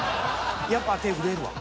やっぱ手震えるわ。